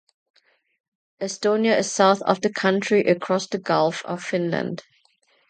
Estonia is south of the country across the Gulf of Finland.